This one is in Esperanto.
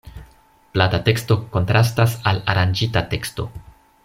Plata teksto kontrastas al aranĝita teksto.